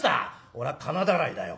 「俺は金だらいだよ」。